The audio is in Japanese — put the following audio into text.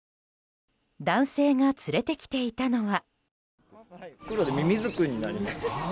男性が連れてきていたのは。